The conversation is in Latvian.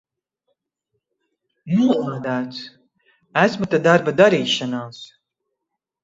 Nolādēts! Esmu te darba darīšanās!